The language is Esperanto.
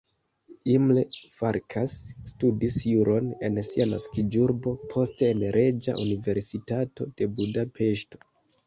Imre Farkas studis juron en sia naskiĝurbo, poste en Reĝa Universitato de Budapeŝto.